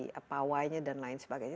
seperti pawainya dan lain sebagainya